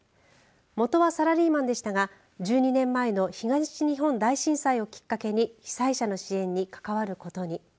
元はサラリーマンでしたが１２年前の東日本大震災をきっかけに被災者の支援に関わることに。